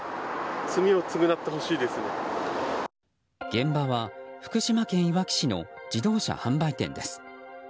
現場は福島県いわき市の自動車販売店です。